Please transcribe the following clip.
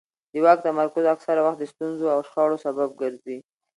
د واک تمرکز اکثره وخت د ستونزو او شخړو سبب ګرځي